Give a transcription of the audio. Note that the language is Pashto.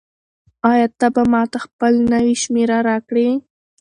آیا ته به ماته خپله نوې شمېره راکړې؟